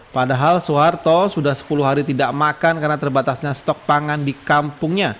padahal soeharto sudah sepuluh hari tidak makan karena terbatasnya stok pangan di kampungnya